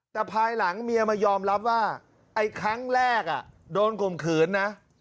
แต่ภายหลังเมียมายอมรับว่าไอ้ครั้งแรกโดนข่มขืนนะ